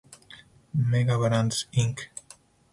Mega Brands Inc.